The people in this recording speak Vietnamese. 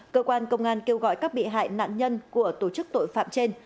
cơ quan công an kêu gọi các bị hại nạn nhân của tổ chức tội phạm trên